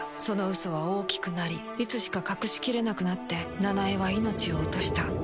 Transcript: その嘘は大きくなりいつしか隠しきれなくなって奈々江は命を落とした